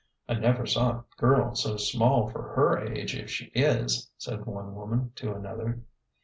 " I never saw a girl so small for her age if she is," said one woman to another.